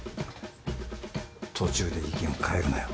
途中で意見を変えるなよ。